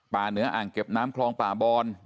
เหนืออ่างเก็บน้ำคลองป่าบอน